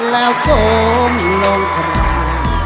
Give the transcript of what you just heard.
แล้วกลมลงขนาด